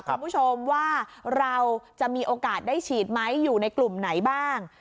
คุณผู้ชมว่าเราจะมีโอกาสได้ฉีดไหมอยู่ในกลุ่มไหนบ้าง